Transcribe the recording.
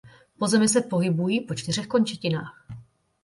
Po zemi se pohybují po čtyřech končetinách.